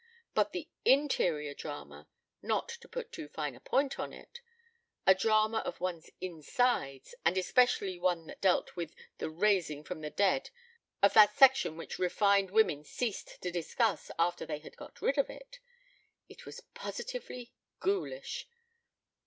But an interior drama; not to put too fine a point on it, a drama of one's insides, and especially one that dealt with the raising from the dead of that section which refined women ceased to discuss after they had got rid of it it was positively ghoulish.